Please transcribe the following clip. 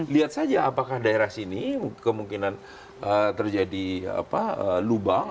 lihat saja apakah daerah sini kemungkinan terjadi lubang